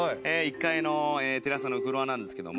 １階のテレ朝のフロアなんですけども。